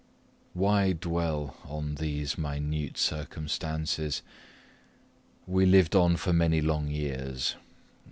Why dwell on these minute circumstances? We lived on for many long years.